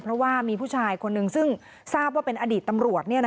เพราะว่ามีผู้ชายคนนึงซึ่งทราบว่าเป็นอดีตตำรวจ